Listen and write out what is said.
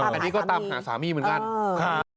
อันนี้ก็ตามหาสามีเหมือนกัน